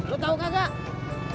lo tau kagak